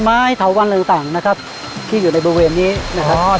ไม่ทั้งวันต่างนะครับที่อยู่ในบริเวณนี้นะครับ